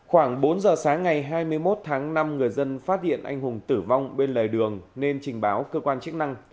khoảng bốn giờ sáng ngày hai mươi một tháng năm người dân phát hiện anh hùng tử vong bên lề đường nên trình báo cơ quan chức năng